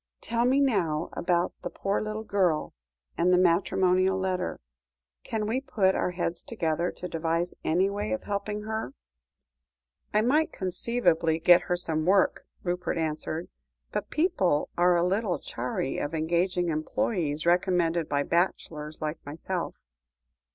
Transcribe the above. "Tell me now about the poor little girl, and the matrimonial letter. Can we put our heads together to devise any way of helping her?" "I might conceivably get her some work," Rupert answered, "but people are a little chary of engaging employees recommended by bachelors like myself.